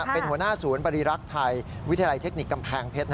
เป็นหัวหน้าศูนย์บริรักษ์ไทยวิทยาลัยเทคนิคกำแพงเพชร